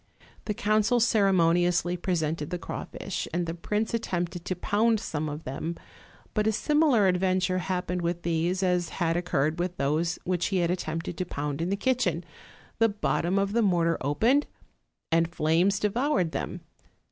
The council ceremoniously presented the crawfish, and the prince attempted to pound some of them; but a sim ilar adventure happened with these as had occurred with those which he had attempted to pound in the kitchen: the bottom of the mortar opened, and flames devoured them.